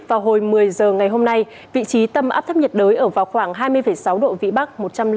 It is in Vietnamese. vào hồi một mươi h ngày hôm nay vị trí tâm áp thấp nhiệt đới ở vào khoảng hai mươi sáu độ vĩ bắc